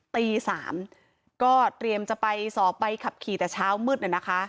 ตี๓ก็เตรียมจะไปสอบไปขับขี่แต่เช้ามืดนะคะ